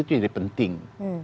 itu jadi penting